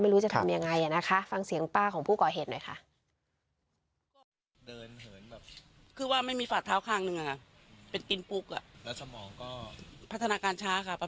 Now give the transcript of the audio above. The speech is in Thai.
ไม่รู้จะทำอย่างไรนะคะ